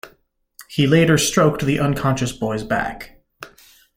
He later stroked the unconscious boy's back.